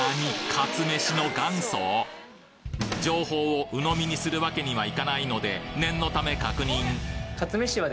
かつめしの情報を鵜呑みにするわけにはいかないので念のため確認